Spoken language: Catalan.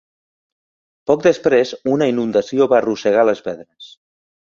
Poc després, una inundació va arrossegar les pedres.